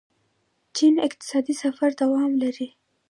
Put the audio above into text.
د چین اقتصادي سفر دوام لري.